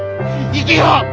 生きよう！